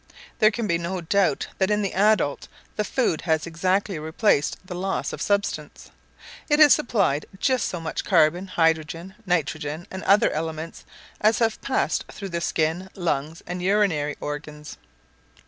There can be no doubt that in the adult, the food has exactly replaced the loss of substance: it has supplied just so much carbon, hydrogen, nitrogen, and other elements, as have passed through the skin, lungs, and urinary organs.